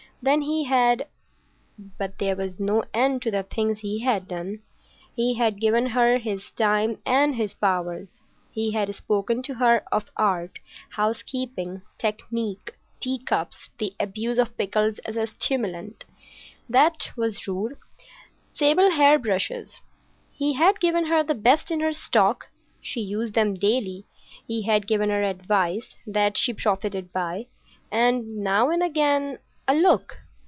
Then he had—— But there was no end to the things he had done. He had given her his time and his powers. He had spoken to her of Art, housekeeping, technique, teacups, the abuse of pickles as a stimulant,—that was rude,—sable hair brushes,—he had given her the best in her stock,—she used them daily; he had given her advice that she profited by, and now and again—a look.